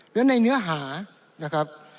และในเนื้อหานะครับ